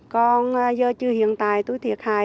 còn giờ chứ hiện tại tôi thiệt hại